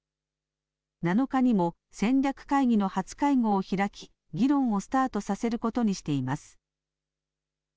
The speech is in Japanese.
７日にも戦略会議の初会合を開き議論をスタートさせることにしています。